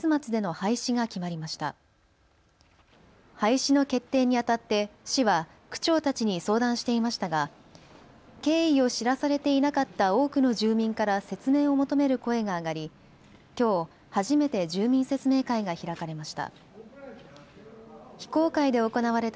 廃止の決定にあたって市は区長たちに相談していましたが経緯を知らされていなかった多くの住民から説明を求める声が上がり、きょう初めて住民説明会が開かれました。